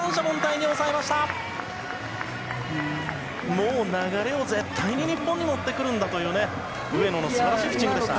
もう流れを絶対に日本に持ってくるんだというね上野のすばらしいピッチングでした。